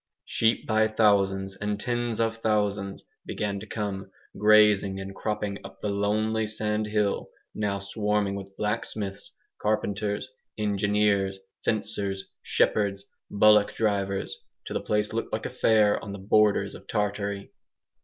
Sheep by thousands, and tens of thousands, began to come, grazing and cropping up to the lonely sandhill now swarming with blacksmiths, carpenters, engineers, fencers, shepherds, bullock drivers till the place looked like a fair on the borders of Tartary.